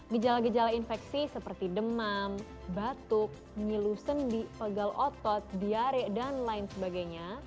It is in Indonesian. gejala gejala infeksi seperti demam batuk nyilu sendi pegal otot diare dan lain sebagainya